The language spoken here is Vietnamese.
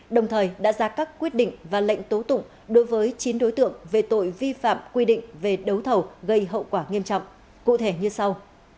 đồng thời đã ra các quyết định và lệnh tố tụng đối với chín đối tượng về tội vi phạm quy định về đấu thầu gây hậu quả nghiêm trọng cụ thể như sau